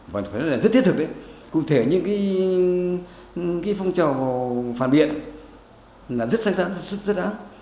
và rất thiết thực cụ thể những phong trò phản biện rất sáng sáng rất ác